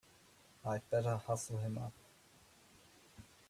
I'd better hustle him up!